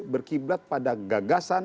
berkiblat pada gagasan